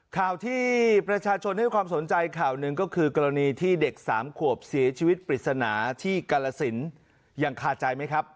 ข่าวที่ประชาชนให้ความสนใจข่าวหนึ่งก็คือกรณีที่เด็กสามขวบเสียชีวิตปริศนาที่กรสินยังคาใจไหมครับ